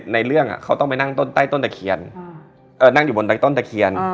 ในเรื่องเค้าต้องไปนั่งนั่งอยู่บนใต้ต้นตะเคียณ